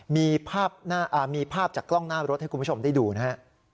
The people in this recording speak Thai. มีภาพจากกล้องหน้ารถให้คุณผู้ชมได้ดูนะฮะ